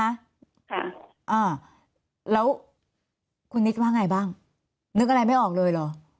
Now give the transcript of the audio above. ค่ะอ่าแล้วคุณนิดว่าไงบ้างนึกอะไรไม่ออกเลยเหรอ